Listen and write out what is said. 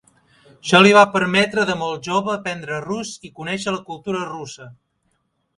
Això li va permetre de molt jove aprendre rus i conèixer la cultura russa.